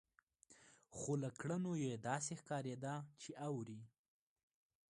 خو له کړنو يې داسې ښکارېده چې اوري.